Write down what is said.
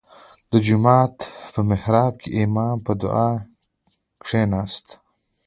• د جومات په محراب کې امام په دعا کښېناست.